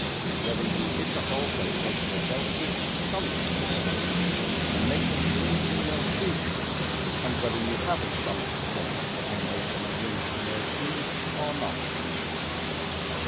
Whether you did not also pledge yourself to astonish the government, and make them shrink in their shoes? And whether you have astonished them, and made them shrink in their shoes, or not?